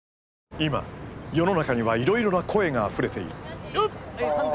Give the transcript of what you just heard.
今世の中にはいろいろな声があふれている。